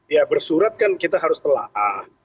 ya bersurat kan kita harus telah ah